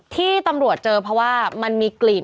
ที่ตำรวจเจอเพราะว่ามันมีกลิ่น